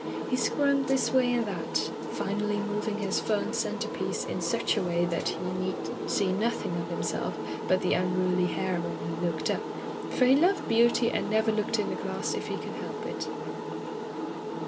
He squirmed this way and that, finally moving his fern centrepiece in such a way that he need see nothing of himself but the unruly hair when he looked up, for he loved beauty and never looked in the glass if he could help it.